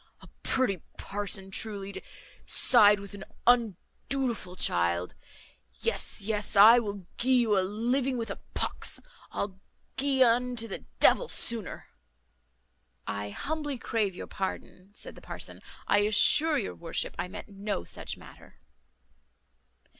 A pretty parson, truly, to side with an undutiful child! Yes, yes, I will gee you a living with a pox. I'll gee un to the devil sooner." "I humbly crave your pardon," said the parson; "I assure your worship I meant no such matter."